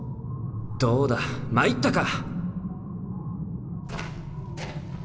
どうだ参ったか！